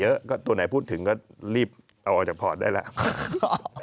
เยอะก็ตัวไหนพูดถึงก็รีบเอาออกจากพอร์ตได้แล้ว